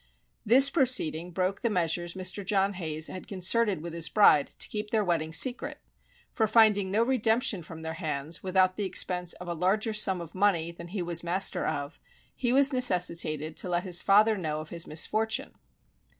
This proceeding broke the measures Mr. John Hayes had concerted with his bride, to keep their wedding secret; for finding no redemption from their hands, without the expense of a larger sum of money than he was master of, he was necessitated to let his father know of his misfortune.